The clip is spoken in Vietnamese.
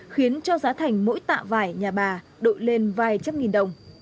khiến cho giá thành mỗi tạ vải nhà bà đội lên vài trăm nghìn đồng